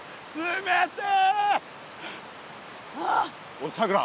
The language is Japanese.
おいさくら。